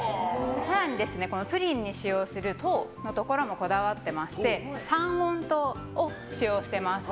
更に、プリンに使用する糖もこだわっていまして三温糖を使用しています。